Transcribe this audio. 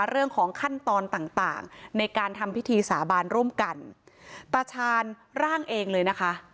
เรื่องของขั้นตอนต่างต่างในการทำพิธีสาบานร่วมกันตาชาญร่างเองเลยนะคะ